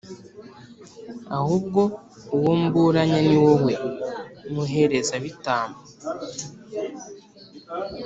ahubwo uwo mburanya, ni wowe, muherezabitambo!